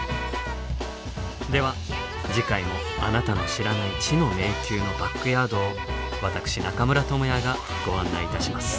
では次回もあなたの知らない「知の迷宮」のバックヤードを私中村倫也がご案内いたします。